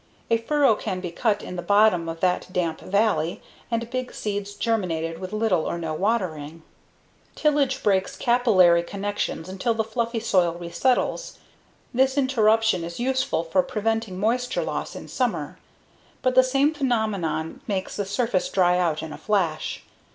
A furrow can be cut in the bottom of that damp "valley" and big seeds germinated with little or no watering. Tillage breaks capillary connections until the fluffy soil resettles. This interruption is useful for preventing moisture loss in summer, but the same phenomenon makes the surface dry out in a flash.